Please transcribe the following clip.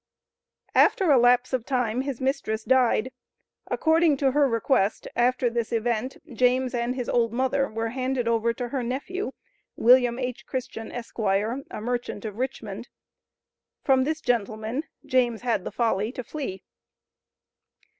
After a lapse of time; his mistress died. According to her request, after this event, James and his old mother were handed over to her nephew, William H. Christian, Esq., a merchant of Richmond. From this gentleman, James had the folly to flee.